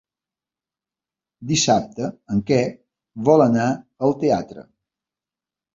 Dissabte en Quer vol anar al teatre.